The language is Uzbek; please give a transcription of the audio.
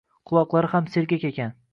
Quloqlari ham sergak ekan.